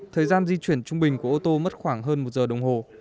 thời gian di chuyển trung bình của ô tô mất khoảng hơn một giờ đồng hồ